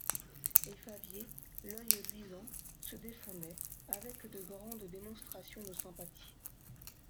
Et Favier, l'oeil luisant, se défendait, avec de grandes démonstrations de sympathie.